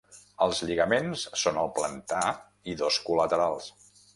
Els lligaments són el plantar i dos col·laterals.